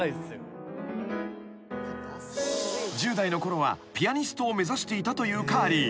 ［十代のころはピアニストを目指していたというカーリー］